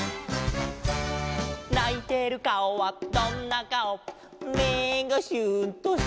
「ないてるかおはどんなかお」「目がシューンと下向いて」